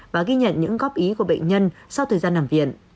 và ghi nhận những góp ý của bệnh nhân sau thời gian nằm viện